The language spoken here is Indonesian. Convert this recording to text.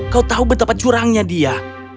kau tahu betapa curangnya dia